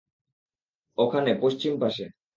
ওখানে, পশ্চিম পাশে।